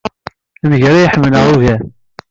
D ameggal ay ḥemmleɣ ugar.